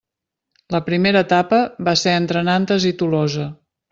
La primera etapa va ser entre Nantes i Tolosa.